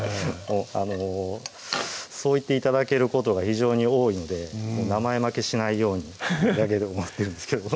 あのそう言って頂けることが非常に多いので名前負けしないようにと思ってるんですけど